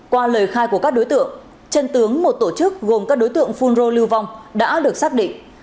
qua lời khai của các đối tượng chân tướng một tổ chức gồm các đối tượng phun rô lưu vong đã được xác định